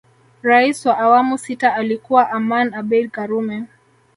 Rais wa awamu sita alikuwa Aman Abeid karume